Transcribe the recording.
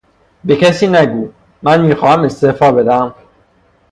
به کسی نگو; من میخواهم استعفا بدهم.